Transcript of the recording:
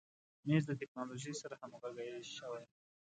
مېز د تکنالوژۍ سره همغږی شوی.